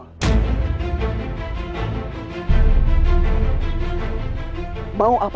persetan dengan alasan kalian semua